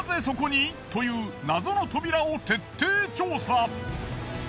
そこに？という謎の扉を徹底調査。